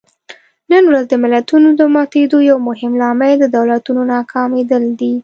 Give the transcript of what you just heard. نن ورځ د ملتونو د ماتېدو یو مهم لامل د دولتونو ناکامېدل دي.